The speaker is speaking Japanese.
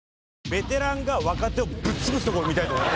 ベテランが若手をぶっ潰すとこを見たいと。